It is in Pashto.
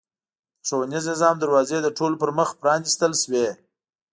د ښوونیز نظام دروازې د ټولو پرمخ پرانېستل شوې.